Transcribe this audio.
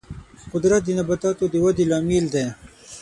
قدرت د نباتاتو د ودې لامل دی.